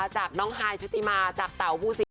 จากน้องฮายชุติมาจากเต๋าภูสิง